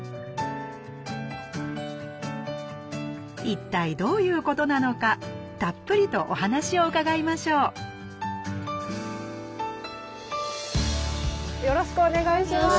一体どういうことなのかたっぷりとお話を伺いましょうよろしくお願いします。